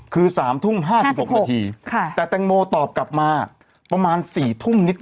คือ๓ทุ่ม๕๖นาทีแต่แตงโมตอบกลับมาประมาณ๔ทุ่มนิดน